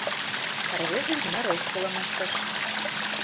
Рвезе икмыняр ошкылым ыштыш.